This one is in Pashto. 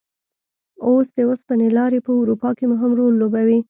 اوس د اوسپنې لارې په اروپا کې مهم رول لوبوي.